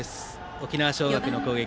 沖縄尚学の攻撃。